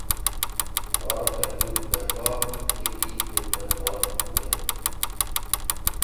Worɓe ɗuuɓɓe bo heɓii toɓɓe booɗuɗe.